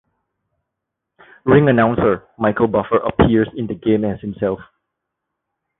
Ring announcer Michael Buffer appears in the game as himself.